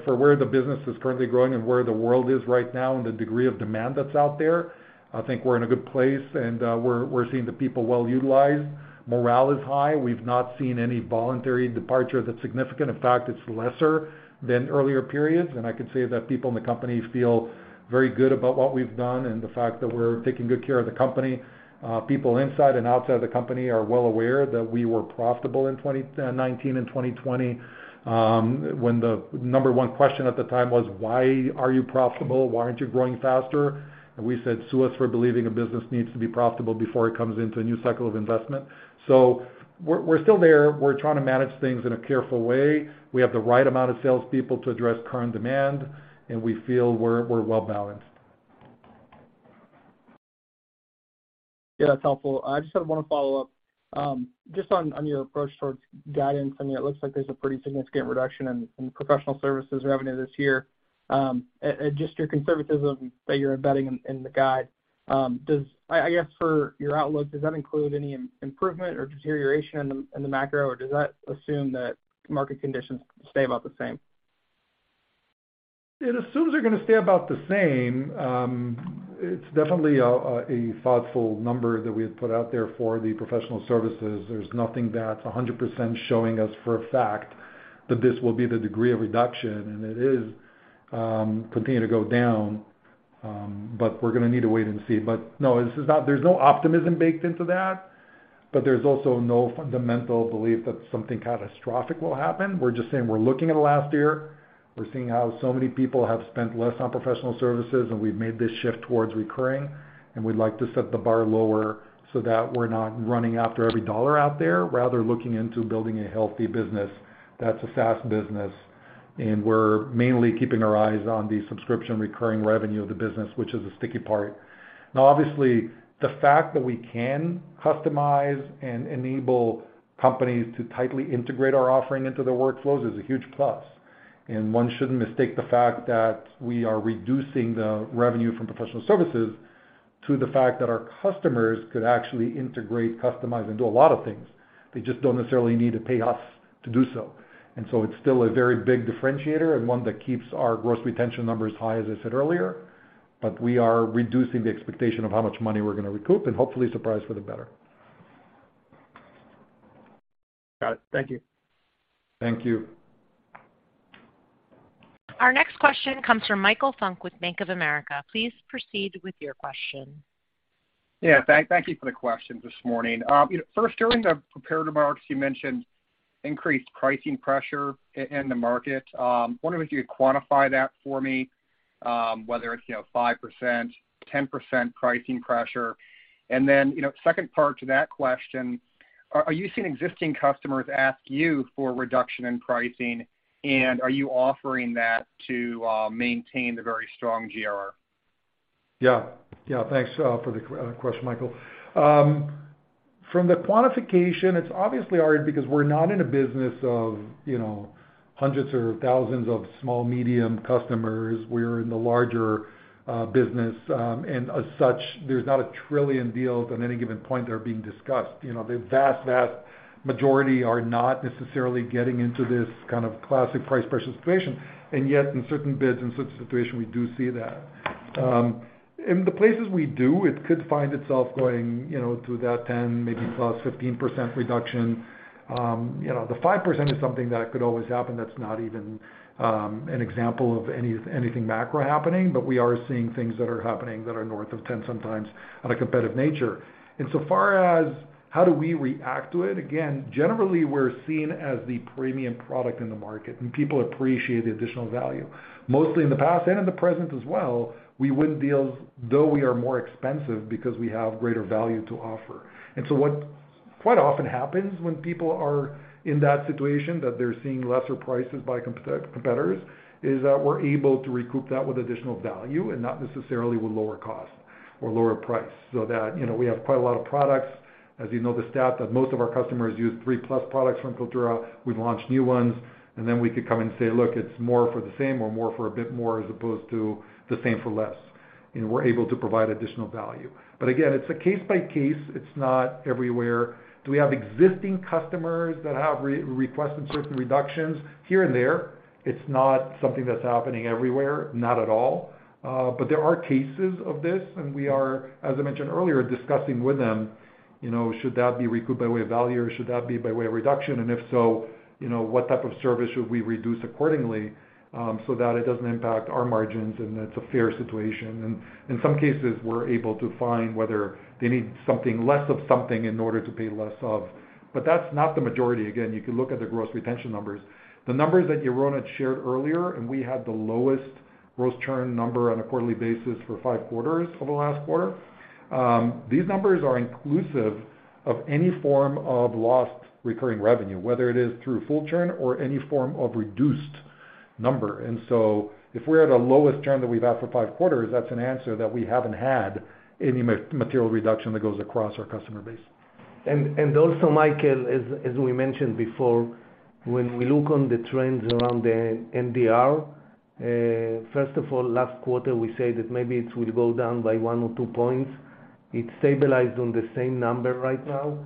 For where the business is currently growing and where the world is right now and the degree of demand that's out there, I think we're in a good place, and we're seeing the people well utilized. Morale is high. We've not seen any voluntary departure that's significant. In fact, it's lesser than earlier periods. I can say that people in the company feel very good about what we've done and the fact that we're taking good care of the company. People inside and outside of the company are well aware that we were profitable in 2019 and 2020, when the number one question at the time was, "Why are you profitable? Why aren't you growing faster?" We said, "Sue us for believing a business needs to be profitable before it comes into a new cycle of investment." We're still there. We're trying to manage things in a careful way. We have the right amount of salespeople to address current demand, and we feel we're well balanced. Yeah, that's helpful. I just sort of wanna follow up on your approach towards guidance. I mean, it looks like there's a pretty significant reduction in professional services revenue this year. Just your conservatism that you're embedding in the guide, I guess for your outlook, does that include any improvement or deterioration in the macro, or does that assume that market conditions stay about the same? It assumes they're gonna stay about the same. It's definitely a thoughtful number that we had put out there for the professional services. There's nothing that's 100% showing us for a fact that this will be the degree of reduction, and it is continuing to go down, but we're gonna need to wait and see. No, there's no optimism baked into that, but there's also no fundamental belief that something catastrophic will happen. We're just saying we're looking at last year. We're seeing how so many people have spent less on professional services, and we've made this shift towards recurring, and we'd like to set the bar lower so that we're not running after every dollar out there, rather looking into building a healthy business that's a SaaS business. We're mainly keeping our eyes on the subscription recurring revenue of the business, which is the sticky part. Now, obviously, the fact that we can customize and enable companies to tightly integrate our offering into their workflows is a huge plus. One shouldn't mistake the fact that we are reducing the revenue from professional services to the fact that our customers could actually integrate, customize, and do a lot of things. They just don't necessarily need to pay us to do so. It's still a very big differentiator and one that keeps our gross retention numbers high, as I said earlier, but we are reducing the expectation of how much money we're gonna recoup and hopefully surprise for the better. Got it. Thank you. Thank you. Our next question comes from Michael Funk with Bank of America. Please proceed with your question. Yeah. Thank you for the question this morning. First, during the prepared remarks, you mentioned increased pricing pressure in the market. Wondering if you could quantify that for me, whether it's, you know, 5%, 10% pricing pressure. Then, you know, second part to that question, are you seeing existing customers ask you for a reduction in pricing, and are you offering that to maintain the very strong GRR? Yeah. Yeah. Thanks for the question, Michael. From the quantification, it's obviously hard because we're not in a business of, you know, 100s or 1,000s of small, medium customers. We're in the larger business. As such, there's not 1 trillion deals on any given point that are being discussed. You know, the vast majority are not necessarily getting into this kind of classic price pressure situation. Yet, in certain bids, in certain situation, we do see that. In the places we do, it could find itself going, you know, to that 10, maybe +15% reduction. You know, the 5% is something that could always happen. That's not even an example of anything macro happening. We are seeing things that are happening that are north of 10 sometimes on a competitive nature. So far as how do we react to it, again, generally, we're seen as the premium product in the market, and people appreciate the additional value. Mostly in the past and in the present as well, we win deals, though we are more expensive because we have greater value to offer. What quite often happens when people are in that situation, that they're seeing lesser prices by competitors, is that we're able to recoup that with additional value and not necessarily with lower cost or lower price. That, you know, we have quite a lot of products. As you know the stat, that most of our customers use 3+ products from Kaltura. We've launched new ones, and then we could come and say, "Look, it's more for the same or more for a bit more as opposed to the same for less." We're able to provide additional value. Again, it's a case by case. It's not everywhere. Do we have existing customers that have re-requested certain reductions? Here and there. It's not something that's happening everywhere, not at all. There are cases of this, and we are, as I mentioned earlier, discussing with them, you know, should that be recouped by way of value or should that be by way of reduction? If so, you know, what type of service should we reduce accordingly, so that it doesn't impact our margins, and it's a fair situation. In some cases, we're able to find whether they need something less of something in order to pay less of. That's not the majority. Again, you can look at the gross retention numbers. The numbers that Yaron had shared earlier, and we had the lowest gross churn number on a quarterly basis for five quarters over the last quarter. These numbers are inclusive of any form of lost recurring revenue, whether it is through full churn or any form of reduced number. If we're at a lowest churn that we've had for five quarters, that's an answer that we haven't had any material reduction that goes across our customer base. Also, Michael, as we mentioned before, when we look on the trends around the NDR, first of all, last quarter, we say that maybe it will go down by one or two points. It stabilized on the same number right now.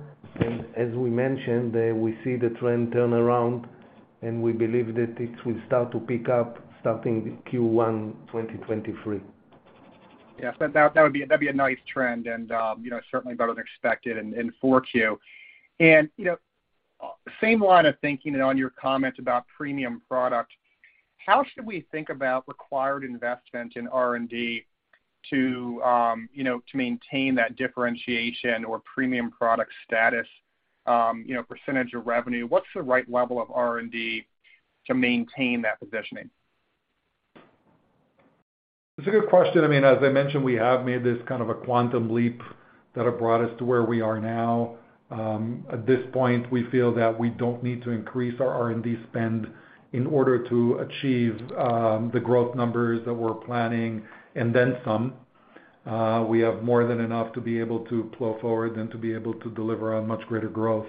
As we mentioned, we see the trend turn around, and we believe that it will start to pick up starting Q1 2023. Yeah. That'd be a nice trend and, you know, certainly better than expected in 4Q. You know, same line of thinking and on your comment about premium product, how should we think about required investment in R&D to, you know, to maintain that differentiation or premium product status, you know, percentage of revenue? What's the right level of R&D to maintain that positioning? It's a good question. I mean, as I mentioned, we have made this kind of a quantum leap that have brought us to where we are now. At this point, we feel that we don't need to increase our R&D spend in order to achieve the growth numbers that we're planning and then some. We have more than enough to be able to plow forward and to be able to deliver on much greater growth.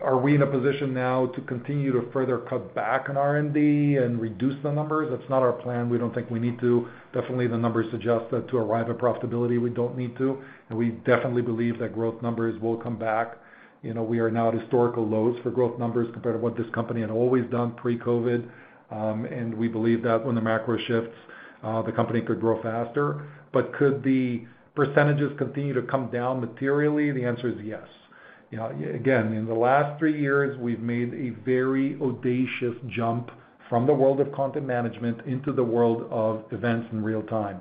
Are we in a position now to continue to further cut back on R&D and reduce the numbers? That's not our plan. We don't think we need to. Definitely, the numbers suggest that to arrive at profitability, we don't need to. We definitely believe that growth numbers will come back. You know, we are now at historical lows for growth numbers compared to what this company had always done pre-COVID. We believe that when the macro shifts, the company could grow faster. Could the percentages continue to come down materially? The answer is yes. You know, in the last three years, we've made a very audacious jump from the world of content management into the world of events in real time.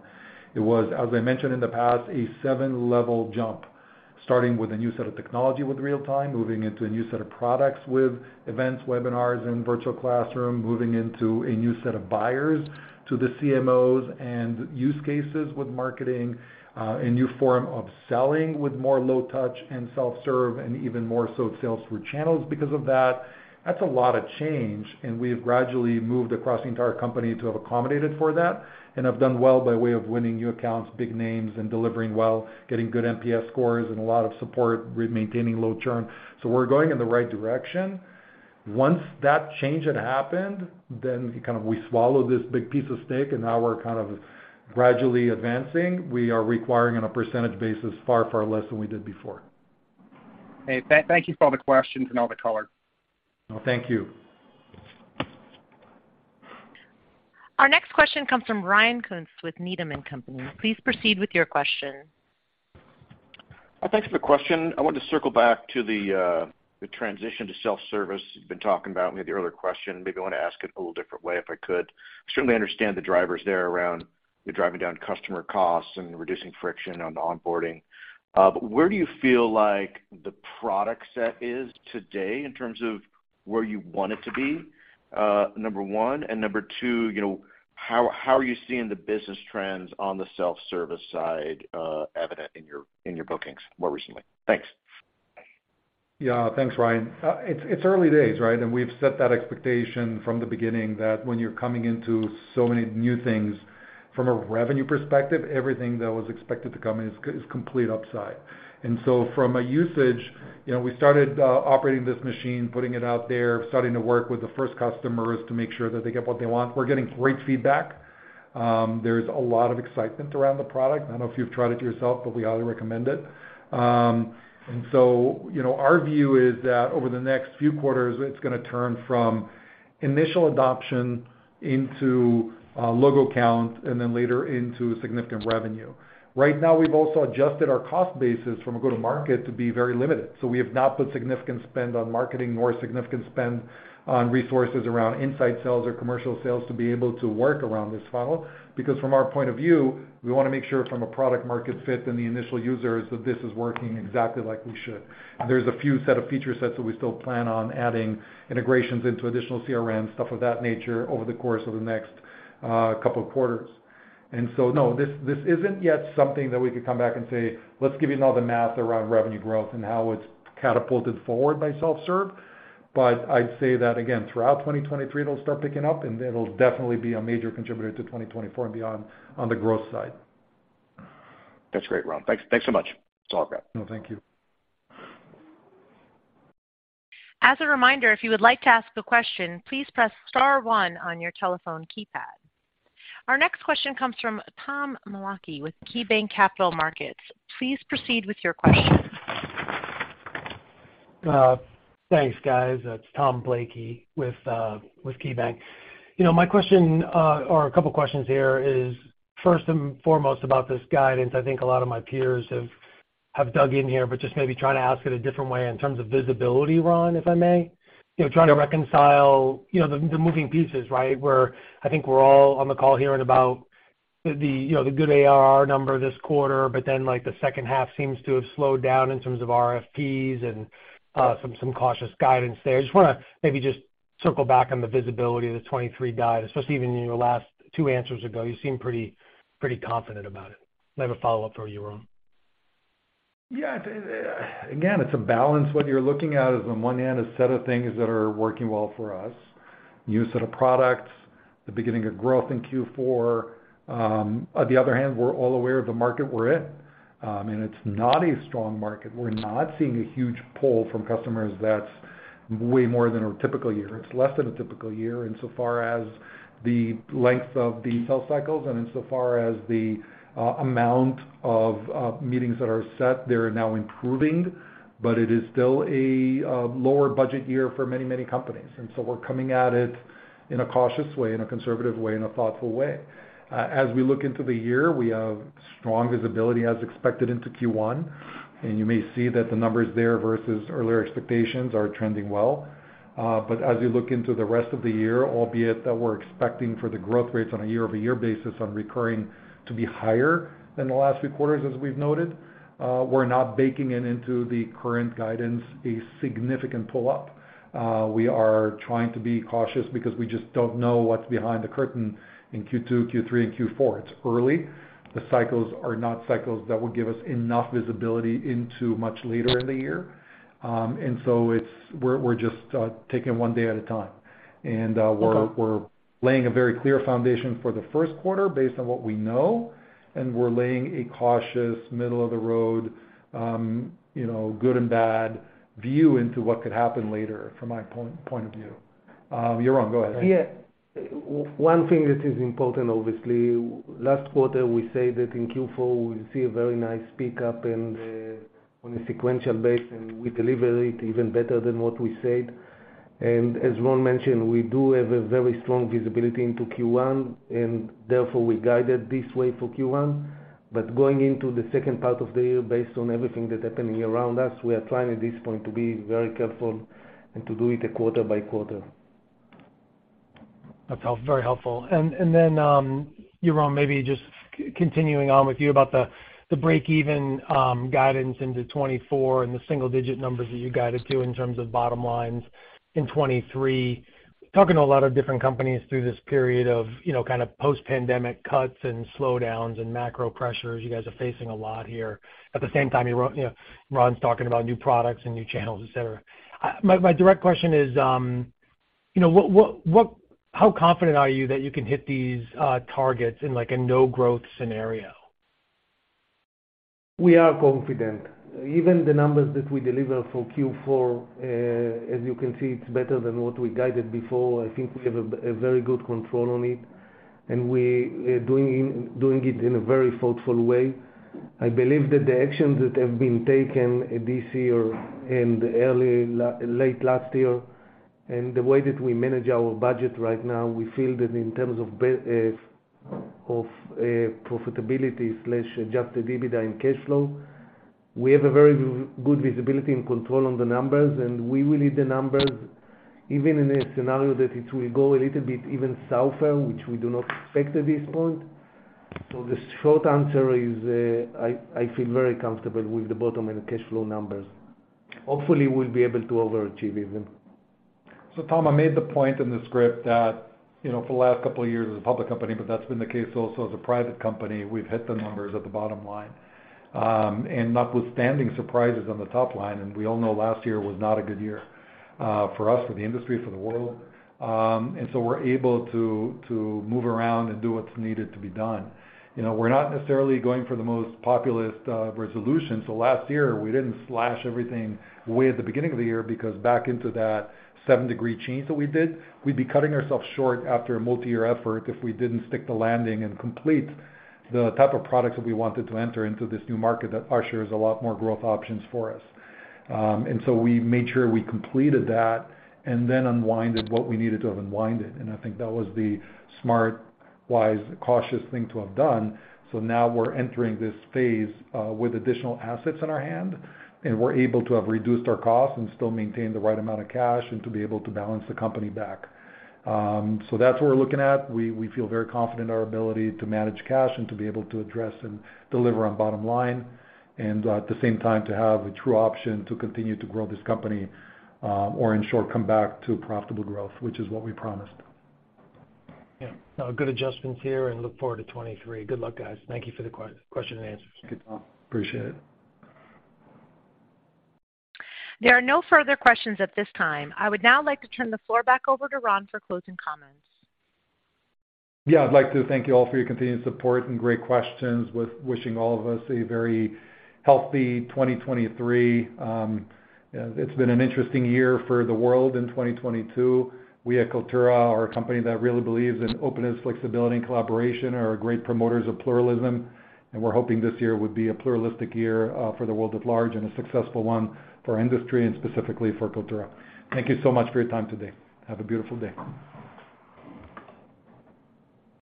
It was, as I mentioned in the past, a 7-level jump, starting with a new set of technology with real-time, moving into a new set of products with events, webinars, and virtual classroom, moving into a new set of buyers to the CMOs and use cases with marketing, a new form of selling with more low touch and self-serve, and even more so sales through channels because of that. That's a lot of change. We have gradually moved across the entire company to have accommodated for that and have done well by way of winning new accounts, big names, and delivering well, getting good NPS scores and a lot of support, re-maintaining low churn. We're going in the right direction. Once that change had happened, kind of we swallow this big piece of steak. Now we're kind of Gradually advancing, we are requiring on a percentage basis far, far less than we did before. Okay. Thank you for all the questions and all the color. No, thank you. Our next question comes from Ryan Koontz with Needham & Company. Please proceed with your question. Thanks for the question. I wanted to circle back to the transition to self-service you've been talking about maybe in the earlier question. Maybe I want to ask it a little different way, if I could. Extremely understand the drivers there around you're driving down customer costs and reducing friction on the onboarding. Where do you feel like the product set is today in terms of where you want it to be, number 1? number 2, you know, how are you seeing the business trends on the self-service side, evident in your bookings more recently? Thanks. Yeah. Thanks, Ryan. It's early days, right? We've set that expectation from the beginning that when you're coming into so many new things from a revenue perspective, everything that was expected to come in is complete upside. From a usage, you know, we started operating this machine, putting it out there, starting to work with the first customers to make sure that they get what they want. We're getting great feedback. There's a lot of excitement around the product. I don't know if you've tried it yourself, but we highly recommend it. You know, our view is that over the next few quarters, it's gonna turn from initial adoption into logo count and then later into significant revenue. Right now we've also adjusted our cost basis from a go-to-market to be very limited. We have not put significant spend on marketing nor significant spend on resources around inside sales or commercial sales to be able to work around this funnel. From our point of view, we wanna make sure from a product market fit and the initial users that this is working exactly like we should. There's a few set of feature sets that we still plan on adding integrations into additional CRMs, stuff of that nature over the course of the next couple of quarters. No, this isn't yet something that we could come back and say, "Let's give you another math around revenue growth and how it's catapulted forward by self-serve." I'd say that again, throughout 2023 it'll start picking up, and it'll definitely be a major contributor to 2024 and beyond on the growth side. That's great, Ron. Thanks so much. That's all I've got. No, thank you. As a reminder, if you would like to ask a question, please press star one on your telephone keypad. Our next question comes from Thomas Blakey with KeyBanc Capital Markets. Please proceed with your question. Thanks, guys. It's Thomas Blakey with KeyBanc. You know, my question or a couple of questions here is first and foremost about this guidance. I think a lot of my peers have dug in here, but just maybe trying to ask it a different way in terms of visibility, Ron, if I may. You know, trying to reconcile, you know, the moving pieces, right? I think we're all on the call hearing about the, you know, the good ARR number this quarter, but then, like, the second half seems to have slowed down in terms of RFPs and some cautious guidance there. I just wanna maybe just circle back on the visibility of the 23 guide, especially even in your last two answers ago, you seem pretty confident about it. I have a follow-up for you, Ron. Yeah. Again, it's a balance. What you're looking at is on one hand, a set of things that are working well for us, new set of products, the beginning of growth in Q4. On the other hand, we're all aware of the market we're in. It's not a strong market. We're not seeing a huge pull from customers that's way more than a typical year. It's less than a typical year insofar as the length of the sales cycles and insofar as the amount of meetings that are set, they're now improving, but it is still a lower budget year for many, many companies. We're coming at it in a cautious way, in a conservative way, in a thoughtful way. As we look into the year, we have strong visibility as expected into Q1, and you may see that the numbers there versus earlier expectations are trending well. As we look into the rest of the year, albeit that we're expecting for the growth rates on a year-over-year basis on recurring to be higher than the last few quarters, as we've noted, we're not baking it into the current guidance a significant pull up. We are trying to be cautious because we just don't know what's behind the curtain in Q2, Q3, and Q4. It's early. The cycles are not cycles that will give us enough visibility into much later in the year. We're just taking one day at a time. Okay... we're laying a very clear foundation for the first quarter based on what we know, and we're laying a cautious middle of the road, you know, good and bad view into what could happen later from my point of view. Yaron, go ahead. Yeah. One thing that is important, obviously, last quarter, we said that in Q4, we'll see a very nice pick up on a sequential basis, and we deliver it even better than what we said. As Ron mentioned, we do have a very strong visibility into Q1, and therefore we guided this way for Q1. Going into the second part of the year based on everything that's happening around us, we are trying at this point to be very careful and to do it a quarter by quarter. That's very helpful. Then, Yaron, maybe just continuing on with you about the break even guidance into 2024 and the single-digit numbers that you guided to in terms of bottom lines in 2023. Talking to a lot of different companies through this period of, you know, kind of post-pandemic cuts and slowdowns and macro pressures, you guys are facing a lot here. At the same time, you're, you know, Ron's talking about new products and new channels, et cetera. My direct question is, you know, how confident are you that you can hit these targets in, like, a no-growth scenario? We are confident. Even the numbers that we deliver for Q4, as you can see, it's better than what we guided before. I think we have a very good control on it, and we are doing it in a very thoughtful way. I believe that the actions that have been taken this year and late last year, and the way that we manage our budget right now, we feel that in terms of profitability/Adjusted EBITDA and cash flow, we have a very good visibility and control on the numbers, and we will need the numbers even in a scenario that it will go a little bit even softer, which we do not expect at this point. The short answer is, I feel very comfortable with the bottom and the cash flow numbers. Hopefully, we'll be able to overachieve even. Tom, I made the point in the script that, you know, for the last couple of years as a public company, but that's been the case also as a private company, we've hit the numbers at the bottom line. Notwithstanding surprises on the top line, and we all know last year was not a good year for us, for the industry, for the world. We're able to move around and do what's needed to be done. You know, we're not necessarily going for the most populist resolution. Last year, we didn't slash everything away at the beginning of the year because back into that 7-degrees change that we did, we'd be cutting ourselves short after a multi-year effort if we didn't stick the landing and complete the type of products that we wanted to enter into this new market that ushers a lot more growth options for us. We made sure we completed that and then unwinded what we needed to have unwinded. I think that was the smart, wise, cautious thing to have done. Now we're entering this phase with additional assets in our hand, and we're able to have reduced our costs and still maintain the right amount of cash and to be able to balance the company back. That's what we're looking at. We feel very confident in our ability to manage cash and to be able to address and deliver on bottom line, and at the same time, to have a true option to continue to grow this company, or in short, come back to profitable growth, which is what we promised. Yeah. Good adjustments here, and look forward to 23. Good luck, guys. Thank you for the question and answer. Thank you, Tom. Appreciate it. There are no further questions at this time. I would now like to turn the floor back over to Ron for closing comments. Yeah. I'd like to thank you all for your continued support and great questions. With wishing all of us a very healthy 2023. It's been an interesting year for the world in 2022. We at Kaltura are a company that really believes in openness, flexibility, and collaboration, are great promoters of pluralism, and we're hoping this year would be a pluralistic year for the world at large and a successful one for industry and specifically for Kaltura. Thank you so much for your time today. Have a beautiful day.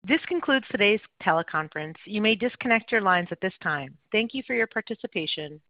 This concludes today's teleconference. You may disconnect your lines at this time. Thank you for your participation.